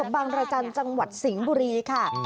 บางรจันทร์จังหวัดสิงห์บุรีค่ะ